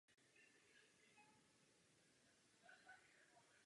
Podílela se i na dvou albech skupiny Modus.